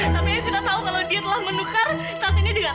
tapi evita tau kalau dia telah menukar tas ini dengan tas yang palsu